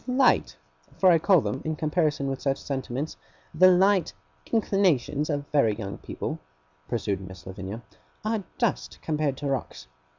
'The light for I call them, in comparison with such sentiments, the light inclinations of very young people,' pursued Miss Lavinia, 'are dust, compared to rocks.